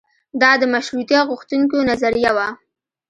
دا د مشروطیه غوښتونکیو نظریه وه.